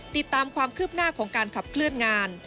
ติดตามความคืบหน้าของการขับเคลื่อนงาน